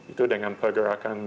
itu dengan pergerakan